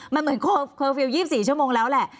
มันเหมือนเคอร์ฟิลล์๒๔ชั่วโมงแล้วแหละ